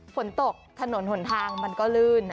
ฝนตกถนนหนทางมันก็ลื่น